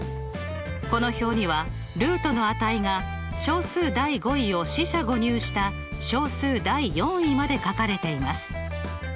この表にはルートの値が小数第５位を四捨五入した小数第４位まで書かれています。